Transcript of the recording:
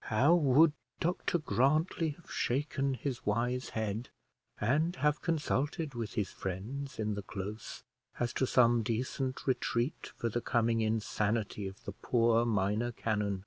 How would Dr Grantly have shaken his wise head, and have consulted with his friends in the close as to some decent retreat for the coming insanity of the poor minor canon!